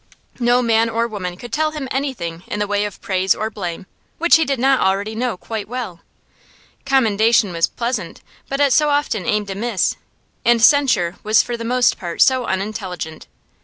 No man or woman could tell him anything in the way of praise or blame which he did not already know quite well; commendation was pleasant, but it so often aimed amiss, and censure was for the most part so unintelligent.